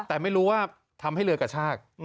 แต่ไม่รู้ว่าทำให้เรือกระชาก